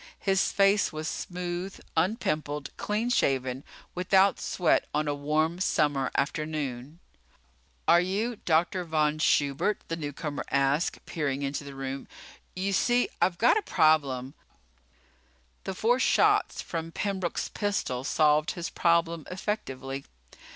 His face was smooth, unpimpled, clean shaven, without sweat on a warm summer afternoon. "Are you Dr. Von Schubert?" the newcomer asked, peering into the room. "You see, I've got a problem " The four shots from Pembroke's pistol solved his problem effectively.